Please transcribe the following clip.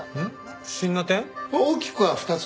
大きくは２つ。